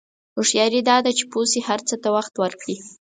هوښیاري دا ده چې پوه شې هر څه ته وخت ورکړې.